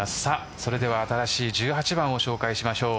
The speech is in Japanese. それでは新しい１８番を紹介します。